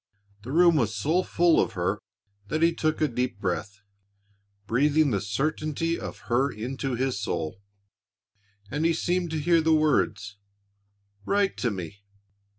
The room was so full of her that he took a deep breath, breathing the certainty of her into his soul. And he seemed to hear the words, "Write to me."